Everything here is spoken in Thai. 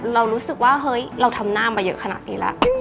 เรารู้สึกว่าเฮ้ยเราทำหน้ามาเยอะขนาดนี้แล้ว